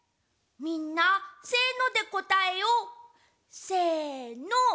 みんなせのでこたえよう！せの！